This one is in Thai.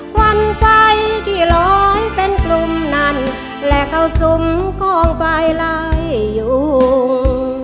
ควันไฟที่ลอยเป็นกลุ่มนั้นและเขาสุมกองไฟไล่ยุง